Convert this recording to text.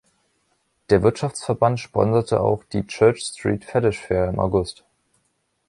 Der Wirtschaftsverband sponserte auch die „Church Street Fetish Fair“ im August.